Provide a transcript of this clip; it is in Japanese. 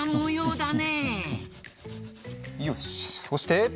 そして。